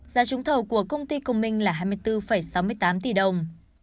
giá trúng thầu của công ty công minh là hai mươi bốn sáu mươi tám tỷ đồng